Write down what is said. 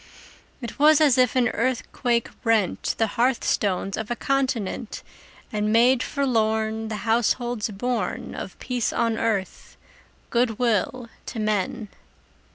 It was as if an earthquake rent The hearth stones of a continent, And made forlorn The households born Of peace on earth, good will to men!